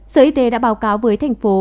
sở y tế đã báo cáo với thành phố